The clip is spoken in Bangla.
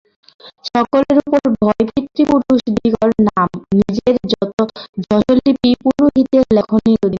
সকলের উপর ভয়-পিতৃপুরুষদিগের নাম, নিজের যশোলিপি পুরোহিতের লেখনীর অধীন।